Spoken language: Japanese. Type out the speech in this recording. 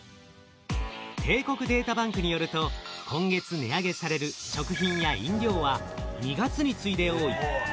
帝国データバンクによると、今月値上げされる食品や飲料は、２月に次いで多い。